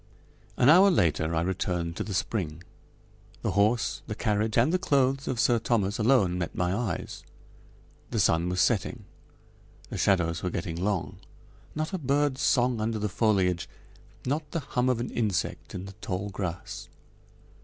An hour later I returned to the spring. The horse, the carriage, and the clothes of Sir Thomas alone met my eyes. The sun was setting. The shadows were getting long. Not a bird's song under the foliage, not the hum of an insect in the tall grass.